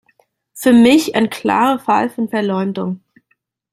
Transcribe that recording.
Für mich ein klarer Fall von Verleumdung.